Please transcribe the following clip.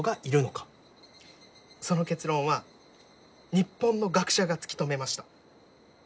その結論は日本の学者が突き止めました。